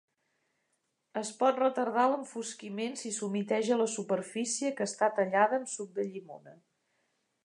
Es pot retardar l'enfosquiment si s'humiteja la superfície que està tallada amb suc de llimona.